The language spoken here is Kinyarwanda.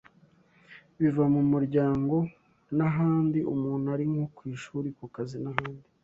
biva mu muryango n’ahandi umuntu ari nko ku ishuri, ku kazi n’ahandi.